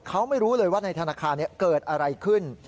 เขาไม่รู้เลยว่าในธนาคารเกิดอะไรขึ้น